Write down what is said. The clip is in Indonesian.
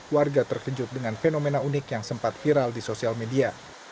warga terkejut dengan fenomena unik yang sempat viral di sosial media